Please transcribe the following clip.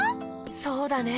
そうだね。